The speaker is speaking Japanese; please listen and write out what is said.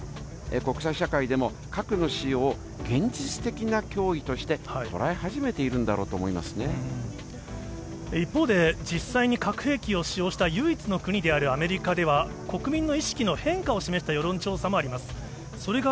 国際社会でも核の使用を現実的な脅威として捉え始めているんだろ一方で、実際に核兵器を使用した唯一の国であるアメリカでは、国民の意識の変化を示した世論調査もあります。